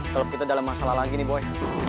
kalau kita dalam masalah lagi nih boy